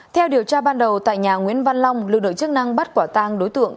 theo điều tra ban đầu tại nhà nguyễn văn long lực lượng chức năng bắt quả tang đối tượng